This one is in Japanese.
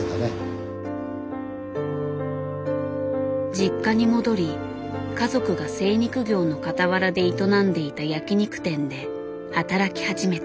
実家に戻り家族が精肉業のかたわらで営んでいた焼き肉店で働き始めた。